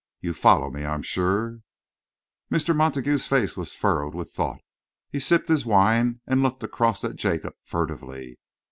You follow me, I am sure?" Mr. Montague's face was furrowed with thought. He sipped his wine and looked across at Jacob furtively.